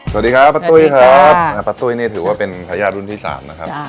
สวัสดีครับป้าตุ้ยครับป้าตุ้ยนี่ถือว่าเป็นทายาทรุ่นที่๓นะครับ